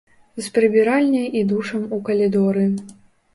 З прыбіральняй і душам у калідоры.